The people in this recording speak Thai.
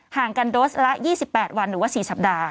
ห่างกันโดสละ๒๘วันหรือว่า๔สัปดาห์